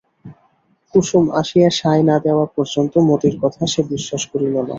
কুসুম আসিয়া সায় না দেওয়া পর্যন্ত মতির কথা সে বিশ্বাস করিল না।